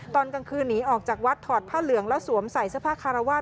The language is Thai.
ตอนกลางคืนหนีออกจากวัดถอดผ้าเหลืองแล้วสวมใส่เสื้อผ้าคารวาส